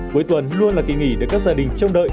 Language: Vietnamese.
cuối tuần luôn là kỳ nghỉ để các gia đình chống đợi